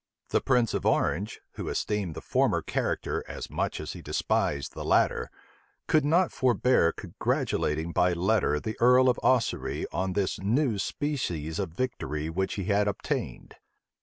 The prince of Orange, who esteemed the former character as much as he despised the latter, could not forbear congratulating by letter the earl of Ossory on this new species of victory which he had obtained.